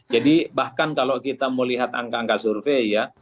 jadi bahkan kalau kita mau lihat angka angka survei ya